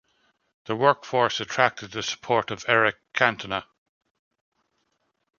The workforce attracted the support of Eric Cantona.